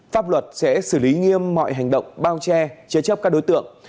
pháp luật sẽ xử lý nghiêm mọi hành động bao che chế chấp các đối tượng